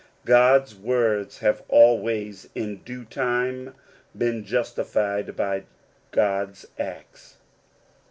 God's words have always in due time been justified by God's acts.